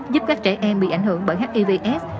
giúp các trẻ em bị ảnh hưởng bởi hivs